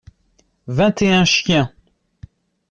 Vingt et un chiens.